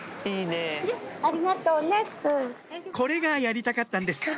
これがやりたかったんです